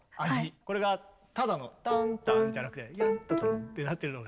これがただのタンタンじゃなくてヤントトンってなってるのが。